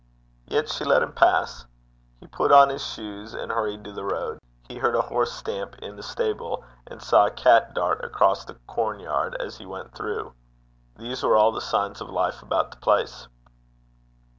Yet she let him pass. He put on his shoes and hurried to the road. He heard a horse stamp in the stable, and saw a cat dart across the corn yard as he went through. Those were all the signs of life about the place.